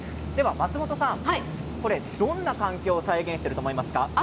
松本さん、どんな環境を再現していると思いますか？